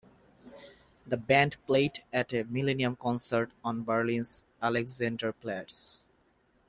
The band played at a millennium concert on Berlin's Alexanderplatz.